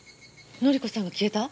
典子さんが消えた？